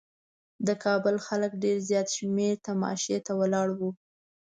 د کابل خلک ډېر زیات شمېر تماشې ته ولاړ وو.